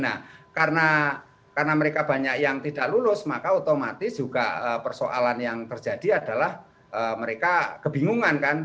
nah karena mereka banyak yang tidak lulus maka otomatis juga persoalan yang terjadi adalah mereka kebingungan kan